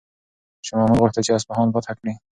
شاه محمود غوښتل چې اصفهان فتح کړي.